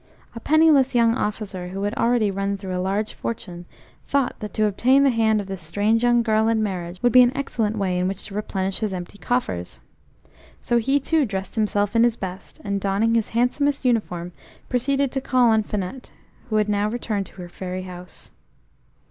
A penniless young officer, who had already run through a large fortune thought that to obtain the hand of this strange young girl in marriage would be an excellent way in which to replenish his empty coffers. So he too dressed himself in his best, and donning his handsomest uniform proceeded to call on Finette, who had now returned to her fairy house.